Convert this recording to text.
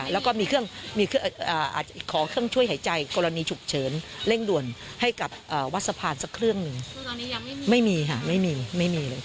สักเครื่องหนึ่งตอนนี้ยังไม่มีไม่มีค่ะไม่มีไม่มีเลยค่ะ